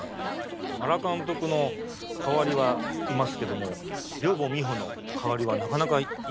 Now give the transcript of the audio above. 原監督の代わりはいますけども寮母美穂の代わりはなかなかいませんからね。